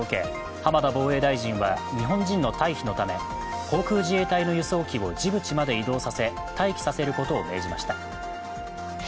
浜田防衛大臣は日本人の退避のため航空自衛隊の飛行機をジブチまで移動させ待機させることを命じました。